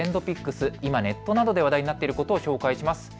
今、ネットなどで話題になっていることをご紹介します。